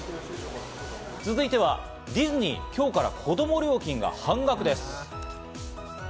続いてはディズニー、今日から子供料金が半額です。